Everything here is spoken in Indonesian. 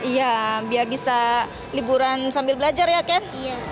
iya biar bisa liburan sambil belajar ya ken